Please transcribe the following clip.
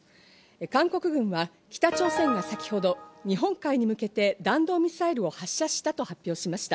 韓国軍は北朝鮮が先ほど日本海に向けて弾道ミサイルを発射したと発表しました。